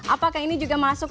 apakah ini juga masuk